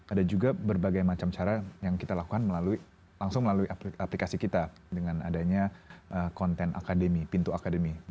ada juga berbagai macam cara yang kita lakukan langsung melalui aplikasi kita dengan adanya konten akademi pintu akademi